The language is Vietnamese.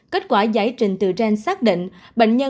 kết quả giải trình tự gen xác định